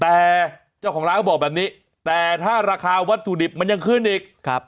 แต่เจ้าของร้านก็บอกแบบนี้แต่ถ้าราคาวัตถุดิบมันยังขึ้นอีก